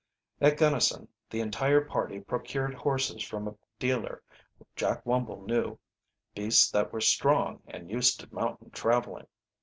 At Gunnison the entire party procured horses from a dealer Jack Wumble knew, beasts that were strong and used to mountain traveling.